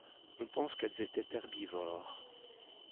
On pense qu'elles étaient herbivores.